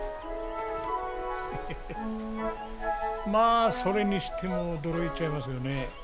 まあそれにしても驚いちゃいますよね。